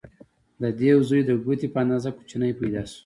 د دیو زوی د ګوتې په اندازه کوچنی پیدا شو.